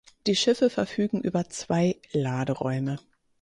Die Schiffe verfügen über zwei Laderäume.